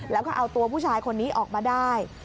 แล้วก็เอาตัวผู้ชายคนนี้ออกมาได้